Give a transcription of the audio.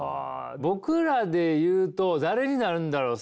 僕らで言うと誰になるんだろう？